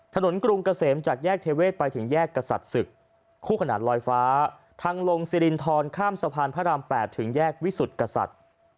กรุงเกษมจากแยกเทเวศไปถึงแยกกษัตริย์ศึกคู่ขนาดลอยฟ้าทางลงสิรินทรข้ามสะพานพระราม๘ถึงแยกวิสุทธิ์กษัตริย์